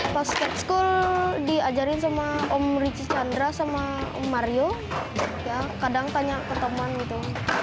pas skate school diajarin sama om richie chandra sama om mario kadang tanya ke teman gitu